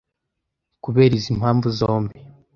Kubera izi mpamvu zombi